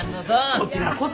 こちらこそ。